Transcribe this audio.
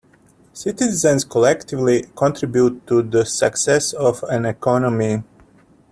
Citizens collectively contribute to the success of an economy.